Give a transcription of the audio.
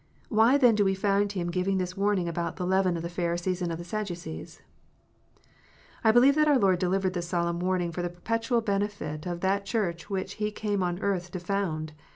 Why then do we find Him giving this warning about " the leaven of the Pharisees and of the Sadducees ?" I believe that our Lord delivered this solemn warning for the perpetual benefit of that Church which He came on earth to found.